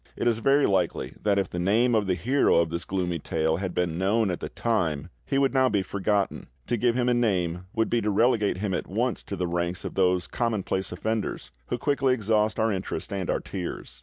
It is very likely that if the name of the hero of this gloomy tale had been known at the time, he would now be forgotten. To give him a name would be to relegate him at once to the ranks of those commonplace offenders who quickly exhaust our interest and our tears.